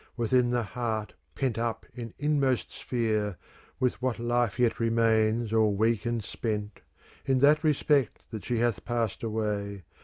Within the heart, pent up in inmost sphere, ^ With what life yet remains all weak and spent, In that respect that she hath passed away.